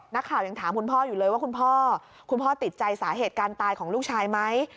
นักข่าวยังถามคุณพ่ออยู่เลยว่าคุณพ่อคุณพ่อติดใจสาเหตุการตายของลูกชายไหม